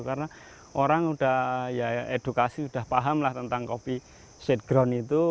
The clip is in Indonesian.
karena orang udah ya edukasi udah paham lah tentang kopi shade ground itu